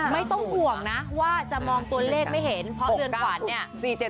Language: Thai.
ไม่ต้องห่วงนะว่าจะมองตัวเลขไม่เห็นเพราะเรือนขวัญเนี่ย